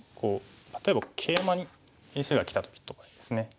例えばケイマに石がきた時とかですね。